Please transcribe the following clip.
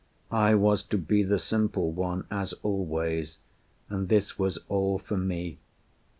I was to be the simple one, as always, And this was all for me."